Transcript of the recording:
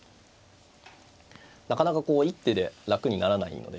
なかなかこう一手で楽にならないので。